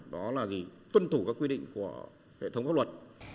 đó là gì tuân thủ các quy định của hệ thống pháp luật